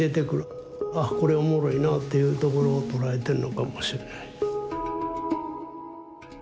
あっこれおもろいなっていうところを捉えてんのかもしれない。